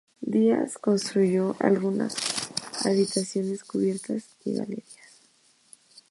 Díaz construyó algunas habitaciones, cubiertas y galerías.